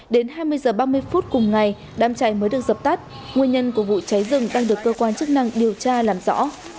đến hai mươi h ba mươi phút cùng ngày đám cháy mới được dập tắt nguyên nhân của vụ cháy rừng đang được cơ quan chức năng điều tra làm rõ